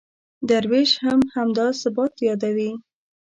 درویش هم همدا ثبات یادوي.